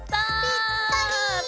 ぴったり！